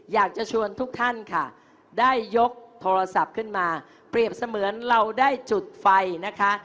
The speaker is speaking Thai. อยากจะชวนทุกท่านค่ะได้ยกโทรศัพท์ขึ้นมาเปรียบเสมือนเราได้จุดไฟนะคะ